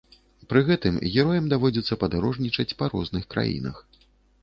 Пры гэтым героям даводзіцца падарожнічаць па розных краінах.